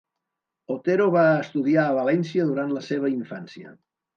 Otero va estudiar a València durant la seva infància